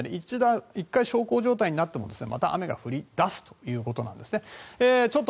１回小康状態になってもまた雨が降り出すということです。